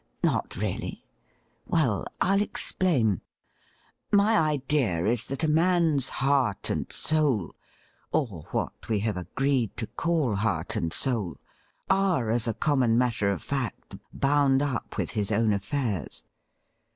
'Not really.? Well, I'll explain. My idea is that a man's heart and soul — or what we have agreed to call heart and soul — are as a common matter of fact bound up with his own affairs.